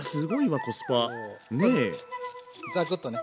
ザクッとね。